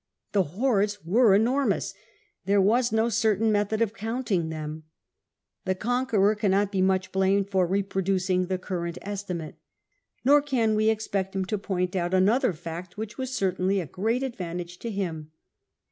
The hordes were enormous ; there was no certain metliod of counting them. The conqueror cannot be much blamed for reproducing the current estimate. Nor can we expect him to point out another fact which was certainly a great advantage to him.